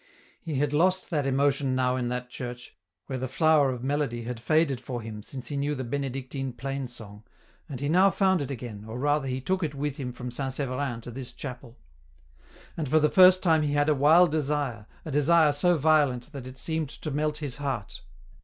He had lost that emotion now in that church, where the flower of melody had faded for him since he knew the Benedictine plain song, and he now found it again, or rather he took it with him from St. Severin to this chapel. And for the first time he had a wild desire, a desire so violent that it seemed to melt his heart.